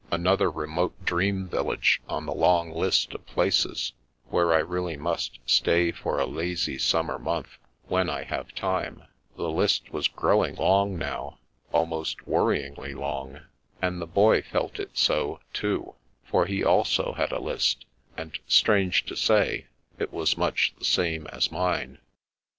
Another remote, dream village 212 The Princess Passes on the long list of places where I really must stay for a lazy summer month — ^when I have time ! The list was growing long now, almost worryingly long, and the Boy felt it so, too, for he also had a list, and strange to say, it was much the same as mine.